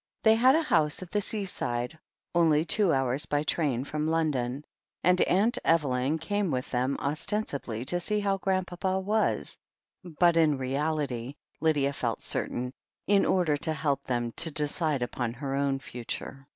They had a house at die seaside, only two hours by train from London, and Aunt Evelyn came with them, ostensibly to see how Grandpapa was, but in reality, Lydia felt certain, in order to help them to decide upon her own future.